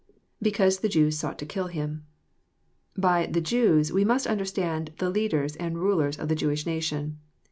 [Because the Jews sought to kill him."] By "the Jews" we must understand the leaders and rulers of the Jewish nation.